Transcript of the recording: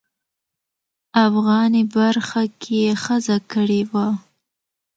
افغاني برخه کې یې ښځه کړې وه.